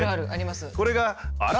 これがあら？